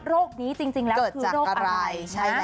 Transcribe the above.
โรคนี้จริงแล้วคือโรคอะไรนะ